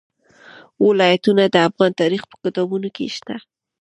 ولایتونه د افغان تاریخ په کتابونو کې شته.